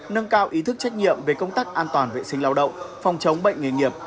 nâng cao ý thức trách nhiệm về công tác an toàn vệ sinh lao động phòng chống bệnh nghề nghiệp